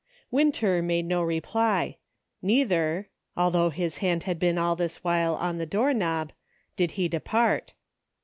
"\T7INTER made no reply ; neither — although *^ his hand had been all this while on the door knob — did he depart.